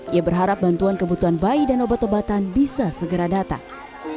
ia berharap bantuan kebutuhan bayi dan obat obatan bisa segera datang